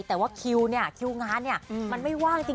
แต่ว่าคิวเนี่ยคิวงานเนี่ยมันไม่ว่างจริง